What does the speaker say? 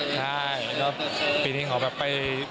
ใช่แล้วก็ปีนี้เขาแบบไป